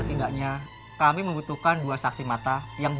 jangan kau ceritakan pada siapapun